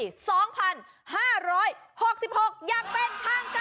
๒๕๖๖อย่างเป็นข้างกลาง